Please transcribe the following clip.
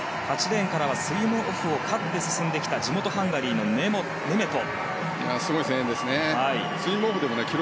８レーンからはスイムオフを勝って進んできた地元ハンガリーのネメト。